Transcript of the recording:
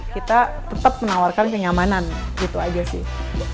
kita tetap menawarkan kenyamanan gitu aja sih